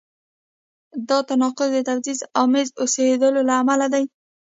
دا تناقض د تبعیض آمیز اوسېدو له امله دی.